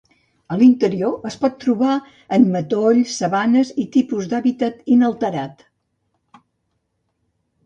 A l'interior es pot trobar en matolls, sabanes i tipus d'hàbitat inalterat.